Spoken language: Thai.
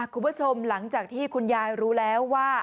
คุณผู้ชมหลังจากที่คุณยายรู้แล้วว่า